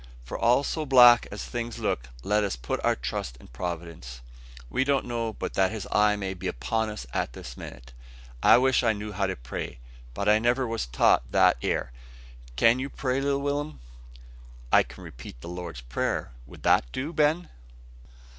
For all so black as things look, let us put our trust in Providence. We don't know but that His eye may be on us at this minute. I wish I knew how to pray, but I never was taught that ere. Can you pray, little Will'm?" "I can repeat the Lord's Prayer. Would that do, Ben?"